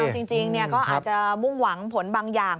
จริงก็อาจจะมุ่งหวังผลบางอย่าง